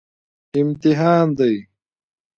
امتحان دی